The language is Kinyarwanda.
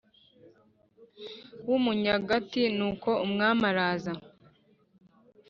w Umunyagati Nuko Umwami araza